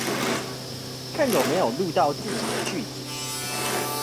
看有沒有錄到自己的句子